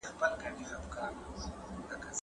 روحانیون به د خلکو په منځ کي سوله راولي.